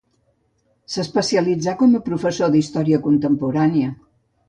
S'especialitzà com a professor d'història contemporània.